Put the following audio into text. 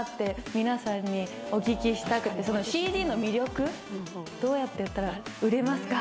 皆さんにお聞きしたくてＣＤの魅力どうやって売ったら売れますか？